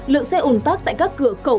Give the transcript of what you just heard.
lượng xe ủn tắc tại các cửa khẩu